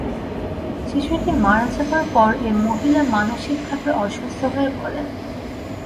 শিশুটি মারা যাবার পর এই মহিলা মানসিকভাবে অসুস্থ হয়ে পড়েন।